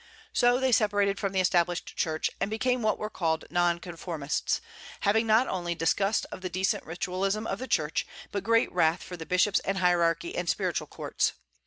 So they separated from the Established Church, and became what were called Nonconformists, having not only disgust of the decent ritualism of the Church, but great wrath for the bishops and hierarchy and spiritual courts.